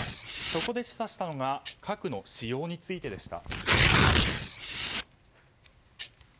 そこで示唆したのが核の使用についてでした。